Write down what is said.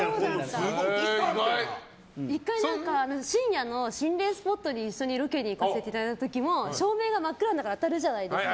１回、深夜の心霊スポットに一緒にロケに行かせていただいた時も照明が真っ暗の中当たるじゃないですか。